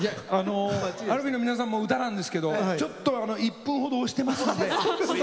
ＴＨＥＡＬＦＥＥの皆さんの歌なんですけどちょっと１分ほど押してますので。